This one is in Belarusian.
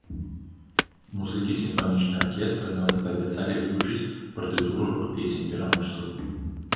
Музыкі сімфанічнага аркестра нават паабяцалі вывучыць партытуру рок-песень пераможцаў.